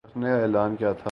رکھنے کا اعلان کیا تھا